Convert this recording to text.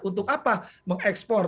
untuk apa mengekspor